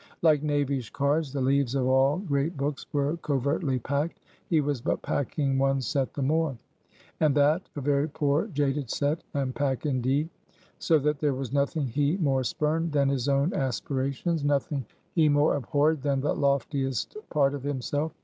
Like knavish cards, the leaves of all great books were covertly packed. He was but packing one set the more; and that a very poor jaded set and pack indeed. So that there was nothing he more spurned, than his own aspirations; nothing he more abhorred than the loftiest part of himself.